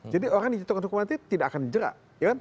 jadi orang yang diturunkan hukuman mati tidak akan jerah